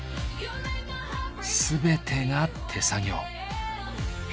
全てが手作業。